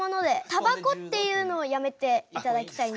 タバコっていうのをやめていただきたいんです。